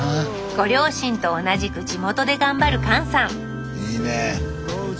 ご両親と同じく地元で頑張る勘さんいいねえ！